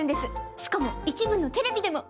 しかも一部のテレビでも。